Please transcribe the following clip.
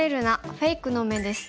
フェイクの目」です。